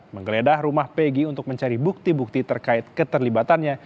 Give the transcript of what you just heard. menggeledah rumah pegi untuk mencari bukti bukti terkait keterlibatannya